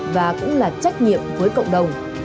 và cũng là trách nhiệm với cộng đồng